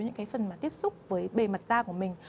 những cái phần mà tiếp xúc với bề mặt da của mình